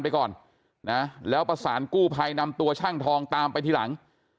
ไปก่อนนะแล้วประสานกู้ภัยนำตัวช่างทองตามไปทีหลัง